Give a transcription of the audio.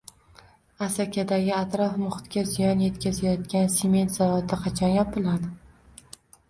Asakadagi atrof-muhitga ziyon yetkazayotgan sement zavodi qachon yopiladi?